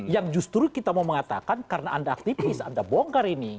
yang justru kita mau mengatakan karena anda aktivis anda bongkar ini